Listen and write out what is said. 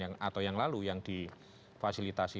atau yang lalu yang di fasilitasi